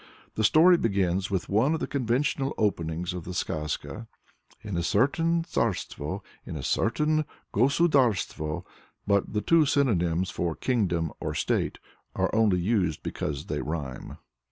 The story begins with one of the conventional openings of the Skazka "In a certain tsarstvo, in a certain gosudarstvo," but the two synonyms for "kingdom" or "state" are used only because they rhyme.